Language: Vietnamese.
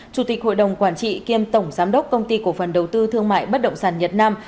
chủ tịch hội đồng quản trị kiêm tổng giám đốc công ty cổ phần đầu tư thương mại bất động sản nhật nam